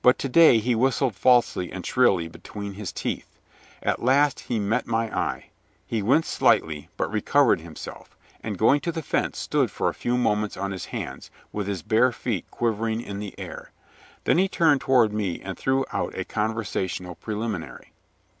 But to day he whistled falsely and shrilly between his teeth. At last he met my eye. He winced slightly, but recovered himself, and going to the fence, stood for a few moments on his hands, with his bare feet quivering in the air. Then he turned toward me and threw out a conversational preliminary.